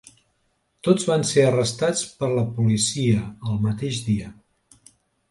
Tots van ser arrestats per la policia el mateix dia.